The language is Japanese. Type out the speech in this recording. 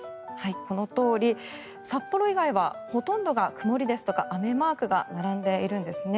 このとおり、札幌以外はほとんどが曇りですとか雨マークが並んでいるんですね。